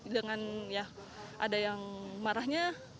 dengan ada yang marahnya